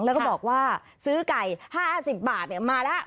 แล้วก็บอกว่าซื้อไก่ห้าสิบบาทเนี้ยมาแล้ว